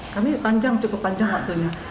kami panjang cukup panjang waktunya